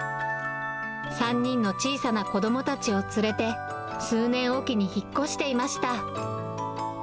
３人の小さな子どもたちを連れて、数年おきに引っ越していました。